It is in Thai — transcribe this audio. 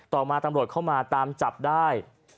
ต่อมาตำรวจเข้ามาตามจับได้